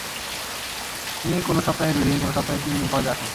তিনি কোনো সপ্তাহে দুই দিন, কোনো সপ্তাহে তিন দিন কলেজে আসেন।